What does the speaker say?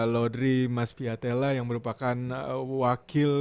laudri mas piatela yang merupakan wakil